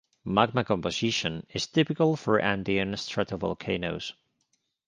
Magma composition is typical for Andean stratovolcanoes.